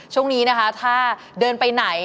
ช่วงนี้นะคะถ้าเดินไปไหน